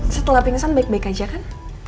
setelah pingsan baik baik aja kan